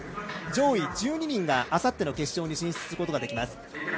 上位１２人があさっての決勝に進出することができます。